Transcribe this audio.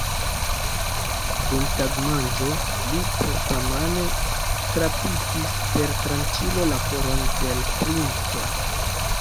Dum tagmanĝo li propramane trapikis per tranĉilo la koron de l' princo!